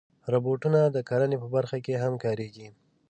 روبوټونه د کرنې په برخه کې هم کارېږي.